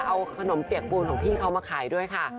เอาขนมเปียกปูนของพี่เขามาขายด้วยค่ะ